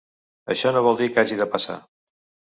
Això no vol dir que hagi de passar.